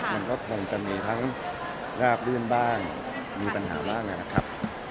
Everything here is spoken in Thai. มันก็คงจะมีทั้งราบลื่นบ้างมีปัญหาบ้างนะครับ